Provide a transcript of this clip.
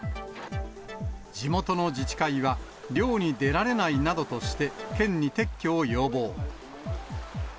地元の自治会は、漁に出られないなどとして、県に撤去を要望。